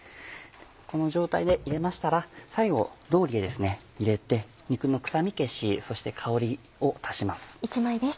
この状態で入れましたら最後ローリエを入れて肉の臭み消しそして香りを足します。